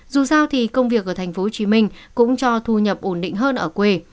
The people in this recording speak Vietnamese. dù sao thì công việc ở tp hcm cũng cho thu nhập ổn định hơn ở quê